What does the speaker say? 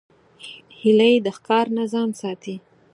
هیلۍ د ښکار نه ځان ساتي